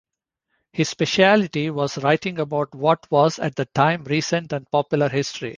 His specialty was writing about what was at the time recent and popular history.